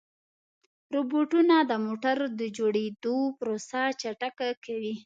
روبوټونه د موټرو د جوړېدو پروسه چټکه کوي.